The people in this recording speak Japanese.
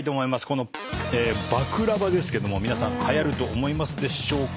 このバクラヴァですけども皆さんはやると思いますでしょうか。